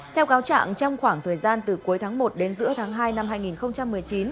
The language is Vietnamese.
theo cáo trạng trong khoảng thời gian từ cuối tháng một đến giữa tháng hai năm hai nghìn một mươi chín